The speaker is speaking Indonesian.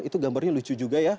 itu gambarnya lucu juga ya